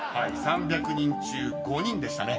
［３００人中５人でしたね］